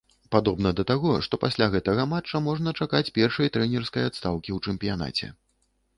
Падобна да таго, што пасля гэтага матча можна чакаць першай трэнерскай адстаўкі ў чэмпіянаце.